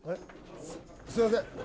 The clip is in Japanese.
すいません